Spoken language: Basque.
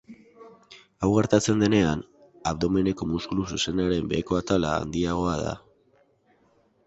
Hau gertatzen denean, abdomeneko muskulu zuzenaren beheko atala handiagoa da.